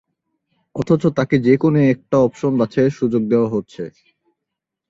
অথচ তাকে যে কোন একটা অপশন বাছাইয়ের সুযোগ দেওয়া হচ্ছে।